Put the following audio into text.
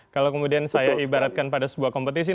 kalau kemudian saya ibaratkan pada sebuah kompetisi